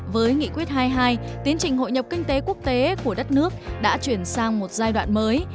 với nghị quyết hai mươi hai tiến trình hội nhập kinh tế quốc tế của đất nước đã chuyển sang một giai đoạn mới